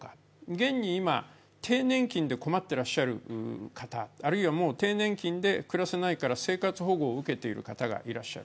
現に今、低年金で困っていらっしゃる方、あるいは、低年金で暮らせないから生活保護を受けている方がいらっしゃる。